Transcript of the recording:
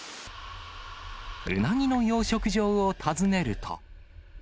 うなぎの養殖場を訪ねると。